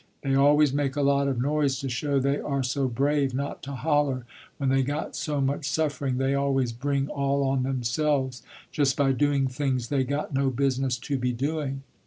They always make a lot of noise to show they are so brave not to holler, when they got so much suffering they always bring all on themselves, just by doing things they got no business to be doing.